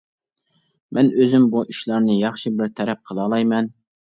مەن ئۆزۈم بۇ ئىشلارنى ياخشى بىر تەرەپ قىلالايمەن.